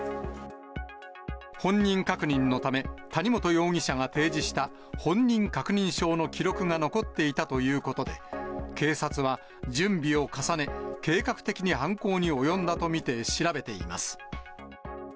本人確認のため、谷本容疑者が提示した本人確認証の記録が残っていたということで、警察は、準備を重ね、計画的に犯行に及んだと見て調べています。